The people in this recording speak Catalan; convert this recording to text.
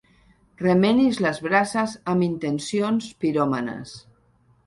Remenis les brases amb intencions piròmanes.